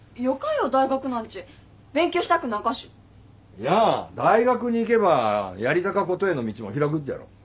いや大学に行けばやりたかことへの道も開くっじゃろ。